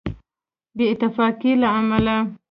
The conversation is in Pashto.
بې اتفاقۍ له امله.